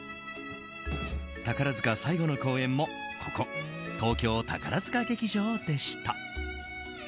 宝塚最後の公演もここ東京宝塚劇場でした。